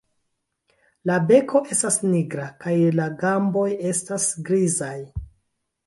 La beko estas nigra kaj la gamboj grizaj.